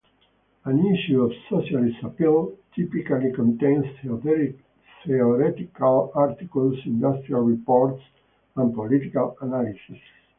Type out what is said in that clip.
An issue of "Socialist Appeal" typically contains theoretical articles, industrial reports, and political analysis.